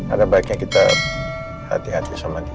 ada baiknya kita hati hati sama kita